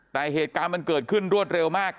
แต่เหตุการณ์มันเกิดขึ้นรวดเร็วมาก